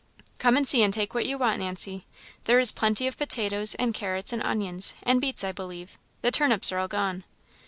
"Come and see, and take what you want, Nancy; there is plenty of potatoes and carrots and onions, and beets, I believe the turnips are all gone."